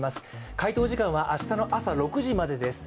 回答時間は明日の朝６時までです。